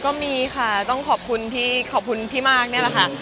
ก็มีค่ะต้องขอบคุณที่ขอบคุณพี่มากนี่แหละค่ะ